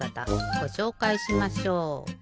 ごしょうかいしましょう。